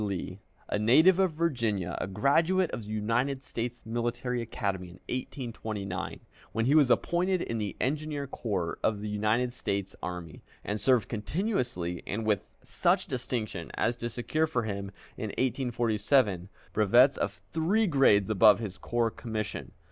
Lee, a native of Virginia, a graduate of the United States Military Academy in 1829, when he was appointed in the Engineer Corps of the United States Army, and served continuously and with such distinction as to secure for him in 1847 brevets of three grades above his corps commission.